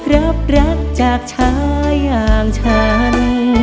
รับรักจากชายอย่างฉัน